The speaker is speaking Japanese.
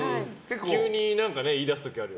急に何か言い出すことある。